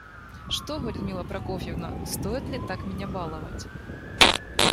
Что Вы, Людмила Прокофьевна, стоит ли так меня баловать?